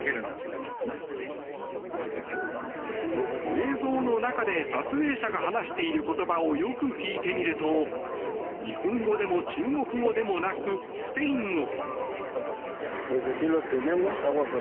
映像の中で撮影者が話している言葉をよく聞いてみると日本語でも中国語でもなくスペイン語。